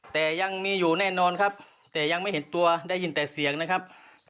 แต่ยังมีอยู่แน่นอนครับแต่ยังไม่เห็นตัวได้ยินแต่เสียงนะครับ